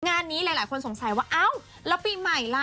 งานนี้หลายคนสงสัยว่าเอ้าแล้วปีใหม่ล่ะ